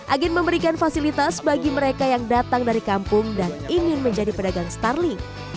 agen memberikan fasilitas bagi mereka yang datang dari kampung dan ingin menjadi pedagang starling